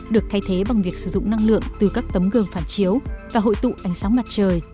được thay thế bằng việc sử dụng năng lượng từ các tấm gương phản chiếu và hội tụ ánh sáng mặt trời